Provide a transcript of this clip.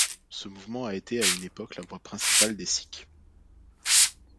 Ce mouvement a été à une époque la voix principale des sikhs.